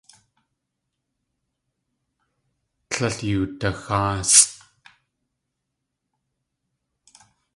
Tlél yoodaxáasʼ.